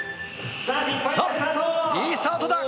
いいスタートだ。